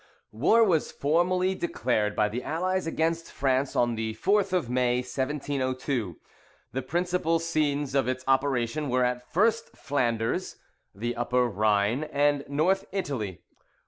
] War, was formally declared by the allies against France on the 4th of May, 1702. The principal scenes of its operation were, at first, Flanders, the Upper Rhine, and North Italy.